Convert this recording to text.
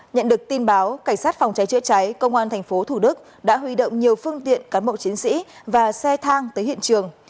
nhận được tin báo cảnh sát phòng cháy chữa cháy công an tp thủ đức đã huy động nhiều phương tiện cán bộ chiến sĩ và xe thang tới hiện trường